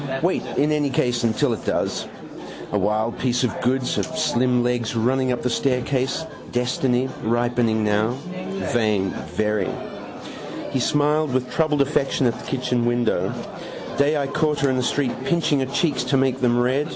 Wait in any case till it does. A wild piece of goods. Her slim legs running up the staircase. Destiny. Ripening now. Vain: very. He smiled with troubled affection at the kitchen window. Day I caught her in the street pinching her cheeks to make them red.